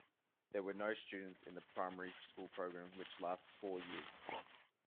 There were no students in the primary school program, which lasts four years.